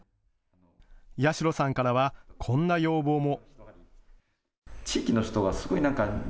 八代さんからはこんな要望も。